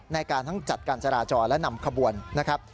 ในการทั้งจัดการจราจรและนำขบวนนะครับ